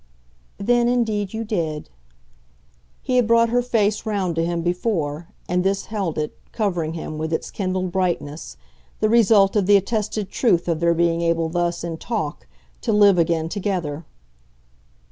"Then indeed you did." He had brought her face round to him before, and this held it, covering him with its kindled brightness, the result of the attested truth of their being able thus, in talk, to live again together.